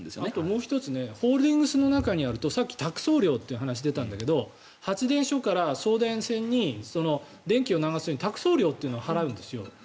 もう１つホールディングスの中にあるとさっき託送料という話が出たんだけど発電所から送電線に電機を流すのに託送料というのを払うんですよ。